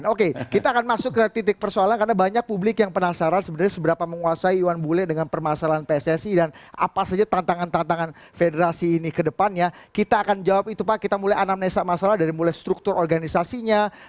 oke kita akan masuk ke titik persoalan karena banyak publik yang penasaran sebenarnya seberapa menguasai iwan bule dengan permasalahan pssi dan apa saja tantangan tantangan federasi ini kedepannya kita akan jawab itu pak kita mulai anamnesa masalah dari mulai struktur organisasinya